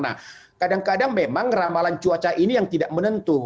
nah kadang kadang memang ramalan cuaca ini yang tidak menentu